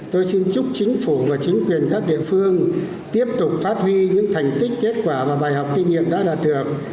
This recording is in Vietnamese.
tôi xin chúc chính phủ và chính quyền các địa phương tiếp tục phát huy những thành tích kết quả và bài học kinh nghiệm đã đạt được